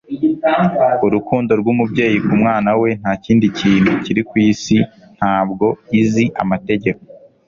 urukundo rw'umubyeyi ku mwana we nta kindi kintu kiri ku isi ntabwo izi amategeko